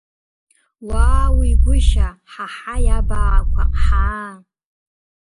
Уаауи, гәышьа, ҳаҳаи, абаақәа, ҳаа!